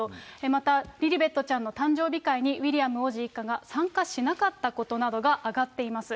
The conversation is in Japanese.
またリリベットちゃんの誕生日会にウィリアム王子一家が参加しなかったことなどが挙がっています。